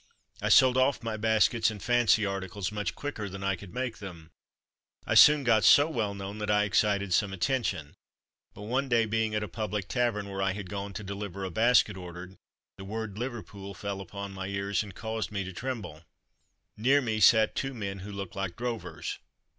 I sold off my baskets and fancy articles much quicker than I could make them. I soon got so well known that I excited some attention; but one day being at a public tavern, where I had gone to deliver a basket ordered, the word 'Liverpool' fell upon my ears and caused me to tremble. Near me sat two men who looked like drovers.